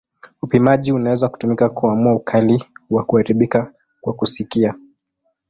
Upimaji unaweza kutumika kuamua ukali wa kuharibika kwa kusikia.